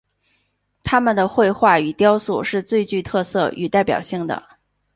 他们的绘画与雕塑是最具特色与代表性的。